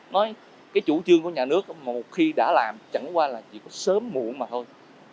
nói cái chủ trương của nhà nước một khi đã làm chẳng qua là chỉ có sớm muộn mà thôi